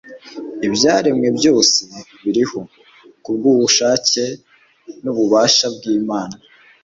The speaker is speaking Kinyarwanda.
Ibyaremwe byose biriho kubw'ubushake n'ububasha bw'Imana.